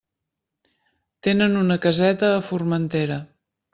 Tenen una caseta a Formentera.